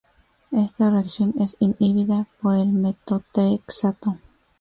Esta reacción es inhibida por el metotrexato.